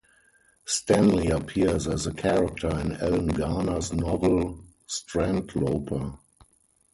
Stanley appears as a character in Alan Garner's novel Strandloper.